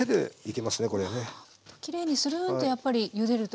きれいにするんとやっぱりゆでると。